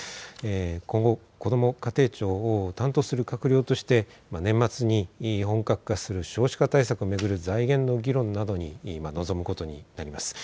今後、こども家庭庁を担当する閣僚として年末に本格化する少子化対策を巡る財源の議論などに臨むことになります。